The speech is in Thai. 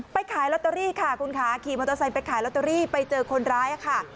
ขายลอตเตอรี่ค่ะคุณค่ะขี่มอเตอร์ไซค์ไปขายลอตเตอรี่ไปเจอคนร้ายค่ะ